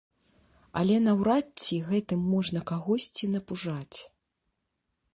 Але наўрад ці гэтым можна кагосьці напужаць.